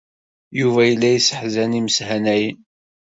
Yuba yella yesseḥzan imeshanayen.